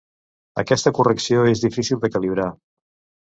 Aquesta correcció és difícil de calibrar.